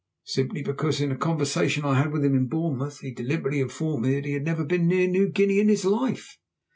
"Simply because in a conversation I had with him at Bournemouth he deliberately informed me that he had never been near New Guinea in his life."